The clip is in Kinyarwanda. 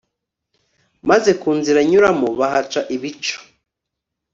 maze ku nzira nyuramo bahaca ibico